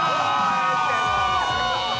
えっ！